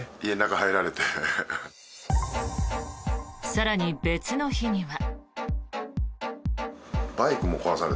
更に、別の日には。